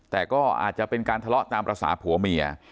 แต่ก็อาจจะเป็นการทะเลาะตามภาษาผัวเมีย